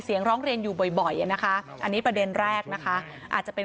ร้องเรียนอยู่บ่อยนะคะอันนี้ประเด็นแรกนะคะอาจจะเป็น